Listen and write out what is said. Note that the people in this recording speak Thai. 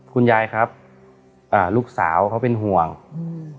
คุณยายครับอ่าลูกสาวเขาเป็นห่วงอืม